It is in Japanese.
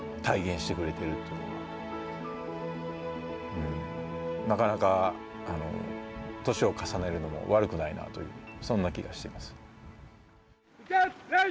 体現してくれているというのはなかなか歳を重ねるのも悪くないなという、そんな気がしてます。